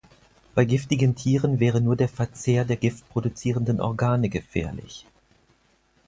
Bei giftigen Tieren wäre nur der Verzehr der Gift produzierenden Organe gefährlich.